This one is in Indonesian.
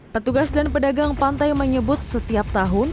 petugas dan pedagang pantai menyebut setiap tahun